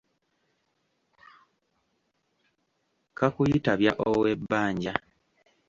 Kakuyitabya ow'ebbanja.